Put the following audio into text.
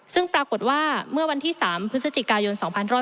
ซึ่งปรากฏว่าเมื่อวันที่๓พฤศจิกายน๒๕๖๐